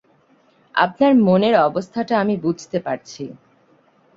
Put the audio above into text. আপনার মনের অবস্থাটা আমি বুঝতে পারছি।